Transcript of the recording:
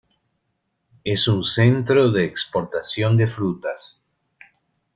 Es un centro de exportación de frutas.